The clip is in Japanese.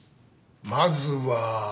まずは。